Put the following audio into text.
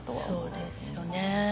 そうですよね。